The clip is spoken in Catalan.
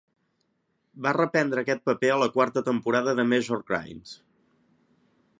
Va reprendre aquest paper a la quarta temporada de "Major Crimes".